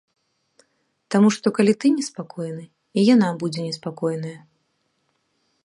Таму што калі ты неспакойны, і яна будзе неспакойная.